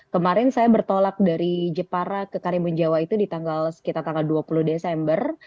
kemarin saya bertolak dari jepara ke karimun jawa itu di tanggal sekitar tanggal dua puluh desember